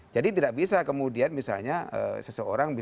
jadi tidak bisa kemudian misalnya seseorang